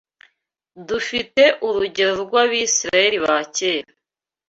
Dufite urugero rw’Abisiraheli ba kera